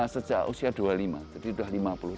sejak usia dua puluh lima jadi sudah lima puluh tujuh